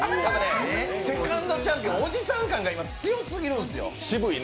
セカンドチャンピオン、おじさん感が今、強すぎるんですよ。